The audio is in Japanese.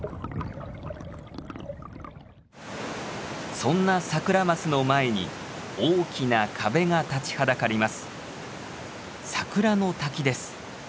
そんなサクラマスの前に大きな壁が立ちはだかります。